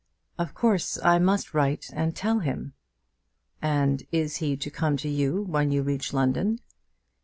"Of course I must write and tell him." "And is he to come to you, when you reach London?"